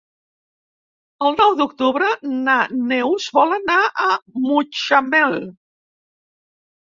El nou d'octubre na Neus vol anar a Mutxamel.